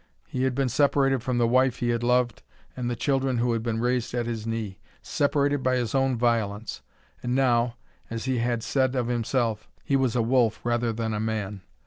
He had been separated from the wife he had loved, and the children who had been raised at his knee,—separated by his own violence; and now, as he had said of himself, he was a wolf rather than a man.